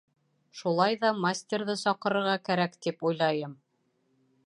Шулай ҙа мастерҙы саҡырырға кәрәк, тип уйлайым